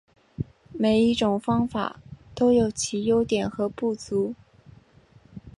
每一种方法都有其优点和不足。